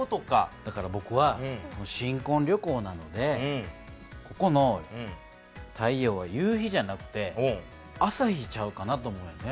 だからぼくは新こん旅行なのでここの太陽は夕日じゃなくて朝日ちゃうかなと思うんね。